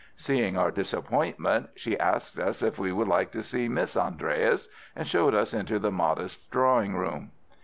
Seeing our disappointment, she asked us if we should like to see Miss Andreas, and showed us into the modest drawing room.